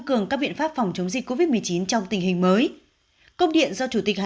cường các biện pháp phòng chống dịch covid một mươi chín trong tình hình mới công điện do chủ tịch hà